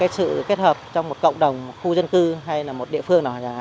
sự kết hợp trong một cộng đồng một khu dân cư hay một địa phương nào